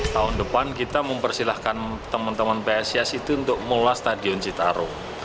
tahun depan kita mempersilahkan teman teman psis itu untuk mula stadion citarum